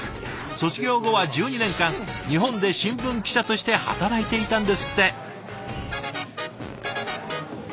卒業後は１２年間日本で新聞記者として働いていたんですって。